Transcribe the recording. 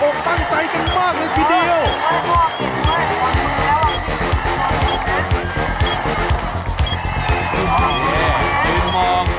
ตั้งใจกันมากเลยทีเดียว